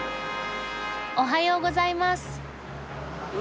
おはようございます。